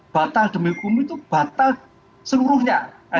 batal demi hukum itu batal seluruhnya